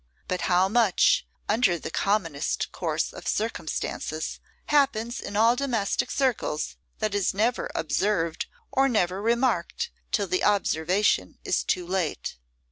But how much, under the commonest course of circumstances, happens in all domestic circles that is never observed or never remarked till the observation is too late!